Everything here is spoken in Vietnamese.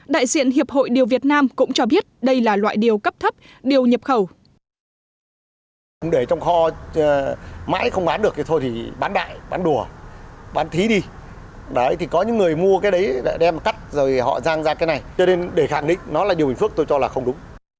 đại diện hiệp hội điều việt nam cũng cho biết đây là loại điều cấp thấp điều nhập khẩu